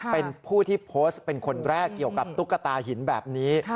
เป็นผู้ที่โพสต์เป็นคนแรกเกี่ยวกับตุ๊กตาหินแบบนี้